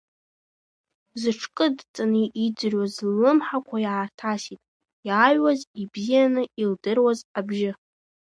Зыҽкыдҵаны иӡырҩуаз ллымҳақәа иаарҭасит, иааҩуаз ибзианы илдыруаз абжьы.